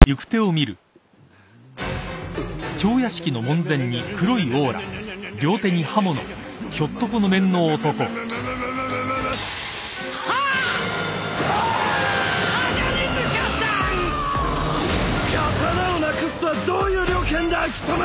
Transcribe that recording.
刀をなくすとはどういう了見だ貴様ぁ！